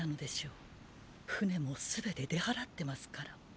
船もすべて出払ってますから。